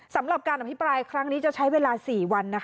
สำหรับการอภิปรายครั้งนี้จะใช้เวลา๔วัน